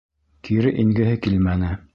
Кире ингеһе килмәне.